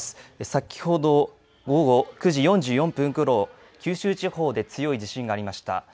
先ほど午後９時４４分ごろ、九州地方で強い地震がありました。